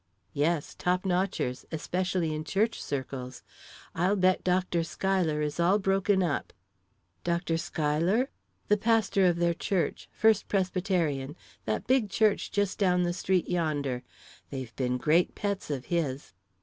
"Yes; top notchers; especially in church circles. I'll bet Dr. Schuyler is all broken up." "Dr. Schuyler?" "Pastor of their church First Presbyterian that big church just down the street yonder. They've been great pets of his."